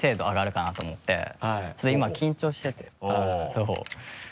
そう。